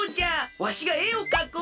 わしがえをかこう。